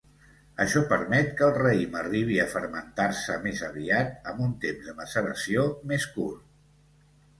Això permet que el raïm arribi a fermentar-se més aviat amb un temps de maceració més curt.